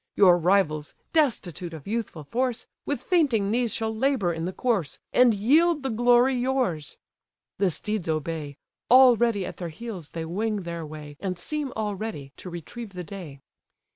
Your rivals, destitute of youthful force, With fainting knees shall labour in the course, And yield the glory yours."—The steeds obey; Already at their heels they wing their way, And seem already to retrieve the day.